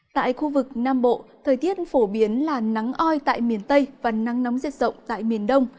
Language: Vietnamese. tại khu vực nam bộ thời tiết phổ biến là nắng oi tại miền tây và nắng nóng diện rộng tại miền đông